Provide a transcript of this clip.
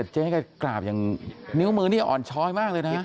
เจ๊แกกราบอย่างนิ้วมือนี่อ่อนช้อยมากเลยนะ